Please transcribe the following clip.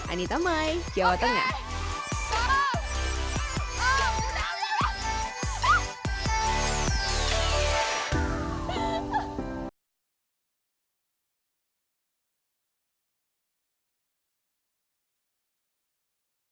anita mai jawa tengah